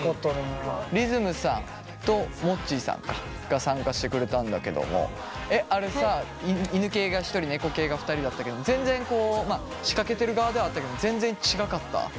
りずむさんともっちーさんか。が参加してくれたんだけどもあれさ犬系が１人猫系が２人だったけど全然こう仕掛けてる側ではあったけども全然違かった？